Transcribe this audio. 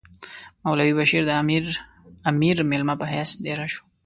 مولوی بشیر د امیر مېلمه په حیث دېره شو.